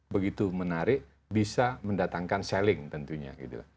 begitu menarik bisa mendatangkan selling tentunya